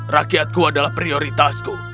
rakyatku adalah prioritasku